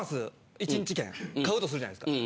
１日券買うとするじゃないですか。